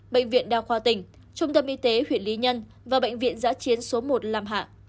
bệnh viện đa khoa tỉnh trung tâm y tế huyện lý nhân và bệnh viện giã chiến số một làm hạ